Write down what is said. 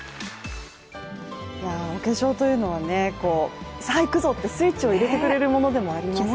お化粧というのは、さあいくぞってスイッチを入れてくれるものでもありますから。